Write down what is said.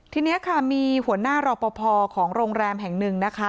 ทีนี้ค่ะมีหัวหน้ารอปภของโรงแรมแห่งหนึ่งนะคะ